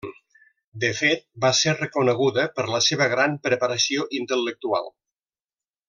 De fet, va ser reconeguda per la seva gran preparació intel·lectual.